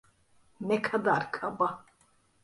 Ne kadar kaba!